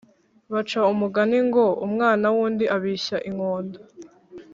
Baca umugani ngo umwana wundi abishya inkonda